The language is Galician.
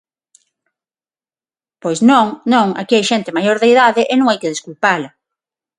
Pois non, non, aquí hai xente maior de idade e non hai que desculpala.